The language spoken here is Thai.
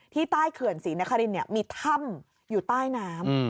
ที่ใต้เขื่อนศรีนครินเนี่ยมีธรรมอยู่ใต้น้ำ